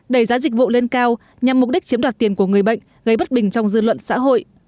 đẩy giá dịch vụ lên cao nhằm mục đích chiếm đoạt tiền của người bệnh gây bất bình trong dư luận xã hội